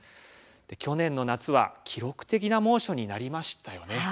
去年の夏は記録的な猛暑となりましたよね。